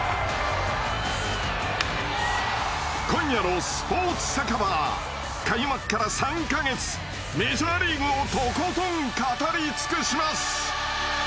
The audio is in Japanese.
今夜の「スポーツ酒場」は開幕から３か月メジャーリーグをとことん語り尽くします。